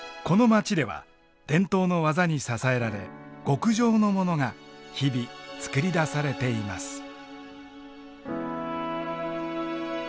この街では伝統の技に支えられ極上のモノが日々作り出されています。